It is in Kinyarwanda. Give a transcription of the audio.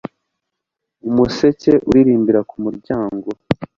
Umuseke uririmbira kumuryango